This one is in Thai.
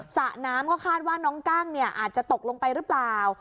สระน้ำก็คาดว่าน้องกั้งเนี่ยอาจจะตกลงไปหรือเปล่า